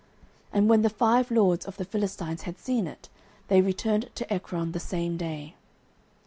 09:006:016 And when the five lords of the Philistines had seen it, they returned to Ekron the same day.